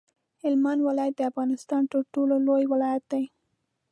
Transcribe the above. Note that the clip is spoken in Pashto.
هلمند ولایت د افغانستان تر ټولو لوی ولایت دی.